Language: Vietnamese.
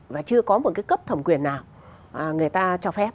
và chưa có một cái cấp thẩm quyền nào người ta cho phép